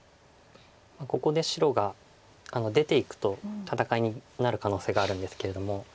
ここで白が出ていくと戦いになる可能性があるんですけれども。